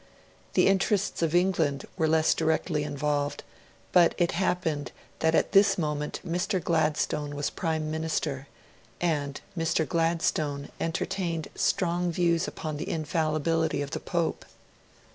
The interests of England were less directly involved, but it happened that at this moment Mr. Gladstone was Prime Minister, and Mr. Gladstone entertained strong views upon the Infallibility of the Pope.